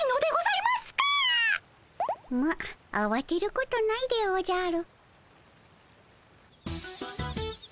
まっあわてることないでおじゃる。